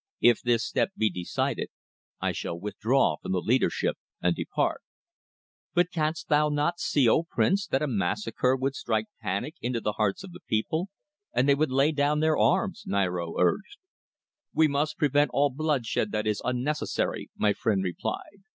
If this step be decided, I shall withdraw from the leadership and depart." "But canst thou not see, O Prince, that a massacre would strike panic into the hearts of the people, and they would lay down their arms," Niaro urged. "We must prevent all bloodshed that is unnecessary," my friend replied.